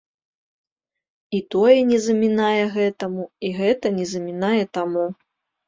І тое не замінае гэтаму, і гэта не замінае таму.